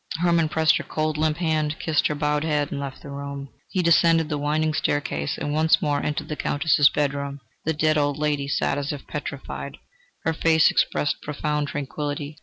Hermann pressed her cold, limp hand, kissed her bowed head, and left the room. He descended the winding staircase, and once more entered the Countess's bedroom. The dead old lady sat as if petrified; her face expressed profound tranquillity.